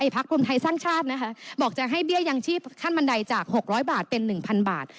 พักรวมไทยสร้างชาตินะคะบอกจะให้เบี้ยยังชีพขั้นบันไดจาก๖๐๐บาทเป็น๑๐๐บาท